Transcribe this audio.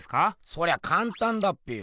そりゃかんたんだっぺよ。